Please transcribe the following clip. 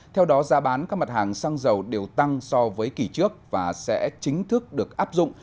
theo đó giá bán các mặt hàng xăng dầu đều tăng so với kỷ trước và sẽ chính thức được áp dụng